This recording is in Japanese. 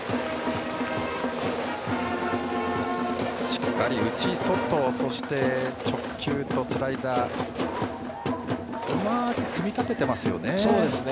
しっかり内、外、そして直球とスライダーとうまく組み立てていますよね。